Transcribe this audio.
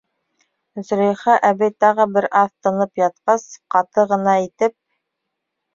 Зөләйха әбей, тағы бер аҙ тынып ятҡас, ҡаты ғына итеп: